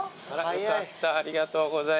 よかったありがとうございます。